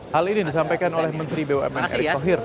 hal ini disampaikan oleh menteri bumn erick thohir